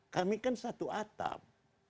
kami kan satu atap